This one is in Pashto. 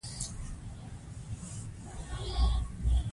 د ولس غږ اورېدل د افغانستان د ثبات او مشروعیت لپاره اړین دی